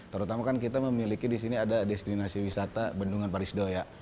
terutama kan kita memiliki di sini ada destinasi wisata bendungan paris do ya